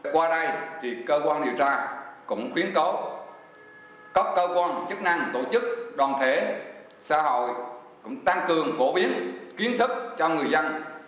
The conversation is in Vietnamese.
qua đây cơ quan điều tra cũng khuyến cáo các cơ quan chức năng tổ chức đoàn thể xã hội cũng tăng cường phổ biến kiến thức cho người dân